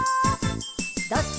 「どっち？」